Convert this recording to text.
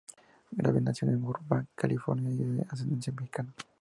Gabriel nació en Burbank, California, y es de ascendencia mexicana.